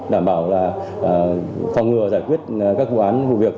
đảm bảo là phòng ngừa giải quyết các vụ án vụ việc